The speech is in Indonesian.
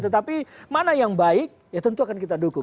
tetapi mana yang baik ya tentu akan kita dukung